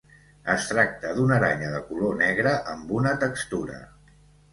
Es tracta d'una aranya de color negre amb una textura.